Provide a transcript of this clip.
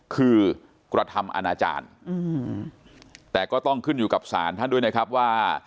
คือกระทำอนาจารย์แต่ก็ต้องขึ้นอยู่กับสารท่านด้วยนะครับว่า